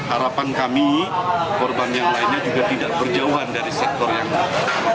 harapan kami korban yang lainnya juga tidak berjauhan dari sektor yang lain